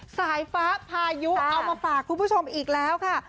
สายฟ้าพายุเอามาฝากคุณผู้ชมอีกแล้วค่ะ